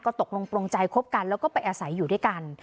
ตกลงตรงใจคบกันแล้วก็ไปอาศัยอยู่ด้วยกัน